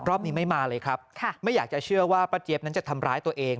รอบนี้ไม่มาเลยครับไม่อยากจะเชื่อว่าป้าเจี๊ยบนั้นจะทำร้ายตัวเอง